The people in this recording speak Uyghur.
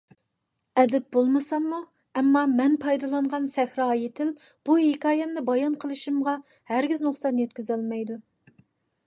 ئەدىب بولمىساممۇ، ئەمما مەن پايدىلانغان سەھرايى تىل بۇ ھېكايەمنى بايان قىلىشىمغا ھەرگىز نۇقسان يەتكۈزەلمەيدۇ.